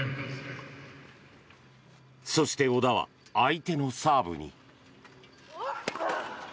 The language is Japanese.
そして小田は相手のサーブに。